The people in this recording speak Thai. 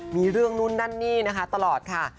มีเรื่องนู่นนั่นนี่นะคะตลอดค่ะ